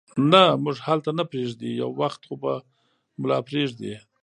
نه، موږ هلته نه پرېږدي، یو وخت خو به مو لا پرېږدي.